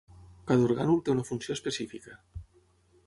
Cada orgànul té una funció específica.